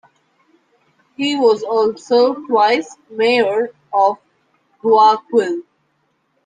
He was also twice mayor of Guayaquil.